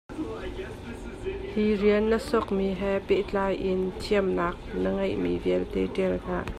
Hi rian na sokmi he pehtlaih in thiamnak na ngeimi vialte ṭial hna.